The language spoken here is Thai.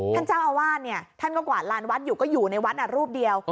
ท่านเจ้าอาวาสเนี่ยท่านก็กวาดลานวัดอยู่ก็อยู่ในวัดรูปเดียว